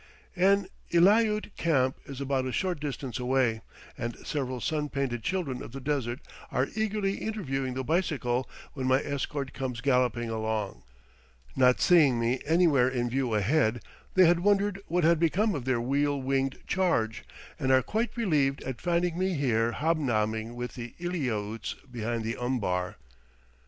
An Eliaute camp is but a short distance away, and several sun painted children of the desert are eagerly interviewing the bicycle when my escort comes galloping along; not seeing me anywhere in view ahead, they had wondered what had become of their wheel winged charge and are quite relieved at finding me here hobnobbing with the Eliautes behind the umbar.